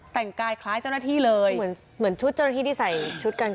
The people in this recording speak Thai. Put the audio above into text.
แต่งกายคล้ายเจ้าหน้าที่เลยเหมือนเหมือนชุดเจ้าหน้าที่ที่ใส่ชุดกัน